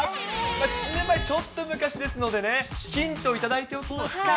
７年前、ちょっと難しいですのでね、ヒント頂いておきますか。